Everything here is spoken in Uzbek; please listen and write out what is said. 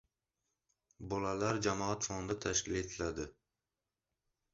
Bolalar jamoat fondi tashkil etiladi